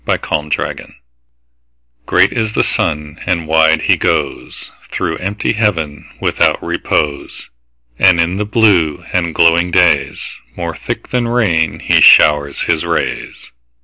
4. Summer Sun GREAT is the sun, and wide he goesThrough empty heaven without repose; And in the blue and glowing daysMore thick than rain he showers his rays.